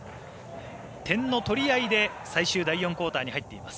点の取り合いで最終第４クオーターに入っています。